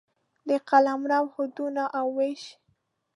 د قلمرو حدونه او وېش